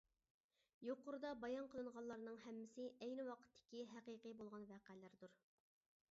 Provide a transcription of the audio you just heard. يۇقىرىدا بايان قىلىنغانلارنىڭ ھەممىسى ئەينى ۋاقىتتىكى ھەقىقىي بولغان ۋەقەلەردۇر.